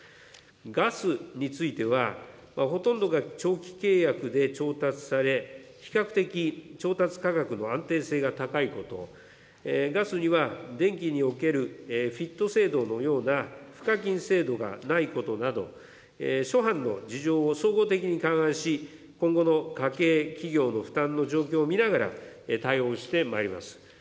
ガスについては、ほとんどが長期契約で調達され、比較的調達価格の安定性が高いこと、ガスには電気におけるフィット制度のような賦課金制度がないことなど、諸般の事情を総合的に勘案し、今後の家計、企業の負担の状況を見ながら、対応してまいります。